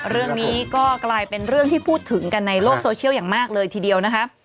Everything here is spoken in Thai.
เรื่องนี้ก็กลายเป็นเรื่องที่พูดถึงกันในโลกโซเชียลอย่างมากเลยทีเดียวนะคะ